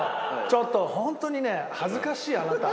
ちょっとホントにね恥ずかしいあなた。